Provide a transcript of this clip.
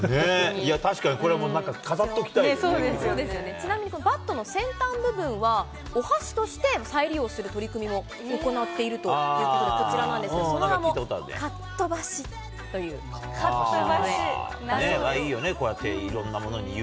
確かにこれ、なんか飾っておそうですよね、ちなみにこのバットの先端部分はお箸として再利用する取り組みも行っているということで、こちらなんですけど、その名も、かっとかっとばし。